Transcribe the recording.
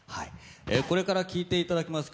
これから聴いていただきます